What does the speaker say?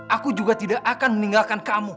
aku juga tidak akan meninggalkan kamu